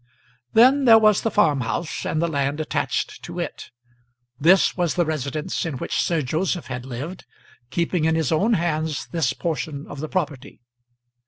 Then there was the farm house and the land attached to it. This was the residence in which Sir Joseph had lived, keeping in his own hands this portion of the property.